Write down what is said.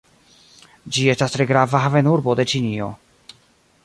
Ĝi estas tre grava havenurbo de Ĉinio.